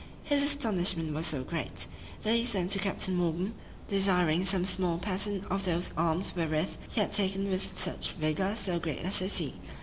His astonishment was so great, that he sent to Captain Morgan, desiring some small pattern of those arms wherewith he had taken with such vigor so great a city.